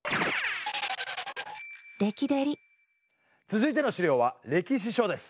続いての資料は歴史書です。